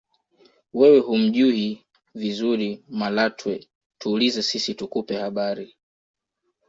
wewe humjuhi vizuri malatwe tuulize sisi tukupe habari